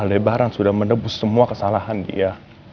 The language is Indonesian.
lebaran sudah menebus semua kesalahan dia